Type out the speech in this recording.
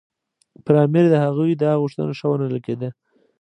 پر امیر د هغوی دا غوښتنه ښه ونه لګېده.